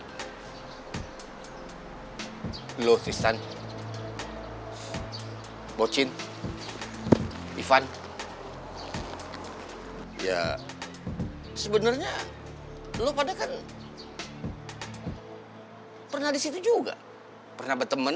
hai lo sistan bocin ivan ya sebenarnya lo pada kan pernah disitu juga pernah bertemen